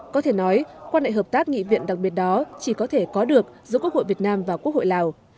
có thể nói quan hệ hợp tác nghị viện đặc biệt đó chỉ có thể có được giữa quốc hội việt nam và quốc hội lào